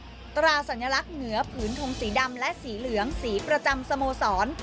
ตราสัญลักษณ์เหนือผืนทงสีดำและสีเหลืองสีประจำสโมสร